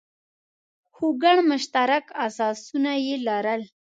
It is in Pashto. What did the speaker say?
خو ګڼ مشترک اساسونه یې لرل.